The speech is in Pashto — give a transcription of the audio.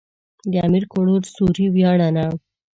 د امير کروړ سوري وياړنه.